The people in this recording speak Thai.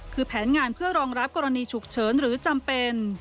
คือแผนงานเพื่อรองรับกรณีฉุกเฉินหรือจำเป็น